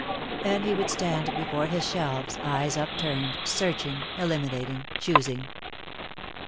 And he would stand before his shelves, eyes upturned, searching, eliminating, choosing.